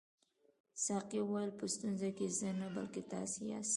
ساقي وویل په ستونزه کې زه نه بلکې تاسي یاست.